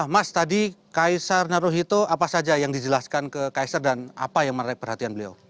mas tadi kaisar naruhito apa saja yang dijelaskan ke kaisar dan apa yang menarik perhatian beliau